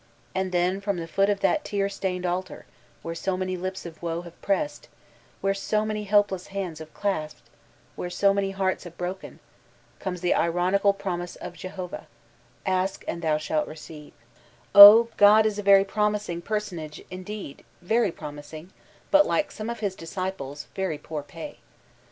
And then from the foot of that tear stained altar, where so many lips of Woe have pressed, where so many helfdess hands have clasped, where so many hearts have broken, comes the ironical promise of Jehovah, "'Ask and thou shah re Oh, God is a very promising personage mdeed — ^very promising, but, like some of his disciples, very poor pay.